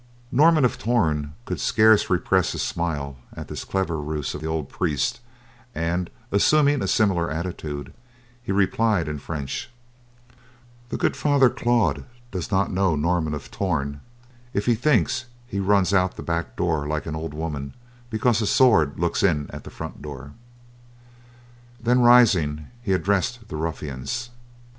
Norman of Torn could scarce repress a smile at this clever ruse of the old priest, and, assuming a similar attitude, he replied in French: "The good Father Claude does not know Norman of Torn if he thinks he runs out the back door like an old woman because a sword looks in at the front door." Then rising he addressed the ruffians.